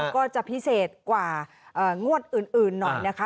ก็จะพิเศษกว่างวดอื่นหน่อยนะคะ